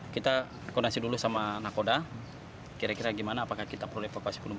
kita kondasi dulu sama nakoda kira kira bagaimana apakah kita perlu evakuasi